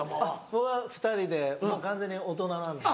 僕は２人でもう完全に大人なんで。